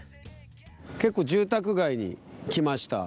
結構住宅街に来ました。